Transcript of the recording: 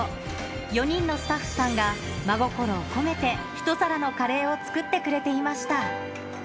４人のスタッフさんが、真心を込めて一皿のカレーを作ってくれていました。